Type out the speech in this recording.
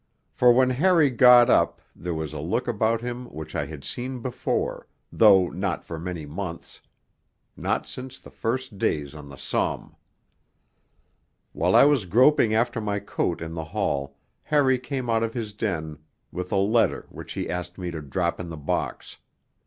For when Harry got up there was a look about him which I had seen before, though not for many months not since the first days on the Somme.... While I was groping after my coat in the hall, Harry came out of his den with a letter which he asked me to 'drop in the box.'